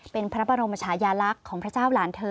เป็นพระบรมชายาลักษณ์ของพระเจ้าหลานเธอ